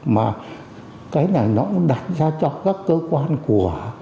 mà cái này nó cũng đặt ra cho các cơ quan của